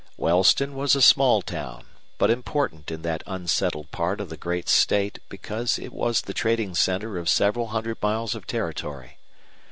Wellston was a small town, but important in that unsettled part of the great state because it was the trading center of several hundred miles of territory.